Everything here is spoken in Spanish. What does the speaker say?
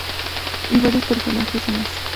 Y varios personajes más